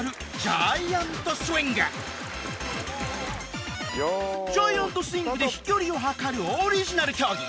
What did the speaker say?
ジャイアントスイングで飛距離を測るオリジナル競技